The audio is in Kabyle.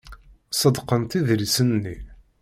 Ṣeddqent idlisen-nni.